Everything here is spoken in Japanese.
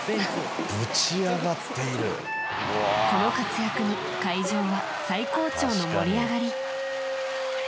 この活躍に会場は最高潮の盛り上がり。